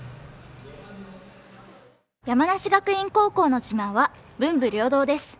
山梨学院高校の自慢は文武両道です。